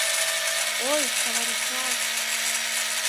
Ой, каварышаш!